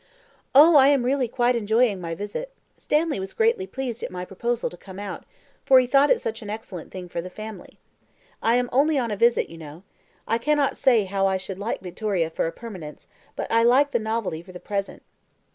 "Oh, I am really quite enjoying my visit. Stanley was greatly pleased at my proposal to come out, for he thought it such an excellent thing for the family. I am only on a visit, you know. I cannot say how I should like Victoria for a permanence, but I like the novelty for the present."